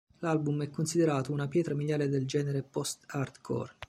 L'album è considerato una pietra miliare del genere post-hardcore.